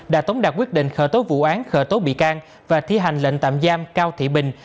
đã tống đạt quyết định khởi tố vụ án khởi tố bị can và thi hành lệnh tạm giam cao thị bình